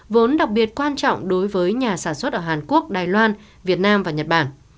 vốn đặc biệt quan trọng đối với nhà sản xuất ở hàn quốc đài loan việt nam và nhật bản